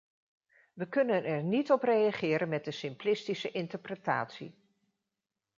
We kunnen er niet op reageren met een simplistische interpretatie.